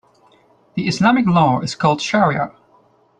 The Islamic law is called shariah.